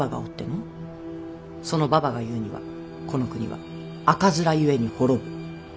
そのババが言うにはこの国は赤面ゆえに滅ぶと。